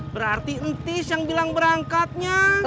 berarti entis yang bilang berangkatnya